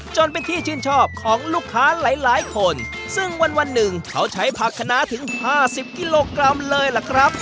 จนเป็นที่ชื่นชอบของลูกค้าหลายหลายคนซึ่งวันวันหนึ่งเขาใช้ผักคณะถึงห้าสิบกิโลกรัมเลยล่ะครับ